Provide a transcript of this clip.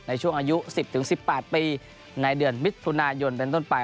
ในช่วงอายุ๑๐๑๘ปีในเดือนมิถุนายนเป็นต้นไป